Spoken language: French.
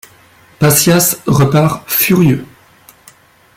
Pasias repart furieux.